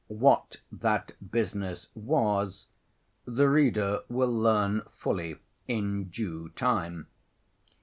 What that business was the reader will learn fully in due time.